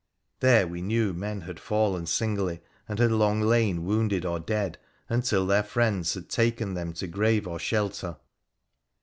There we knew men had fallen singly, and had long lain wounded or dead, until their friends had taken them to grave or shelter.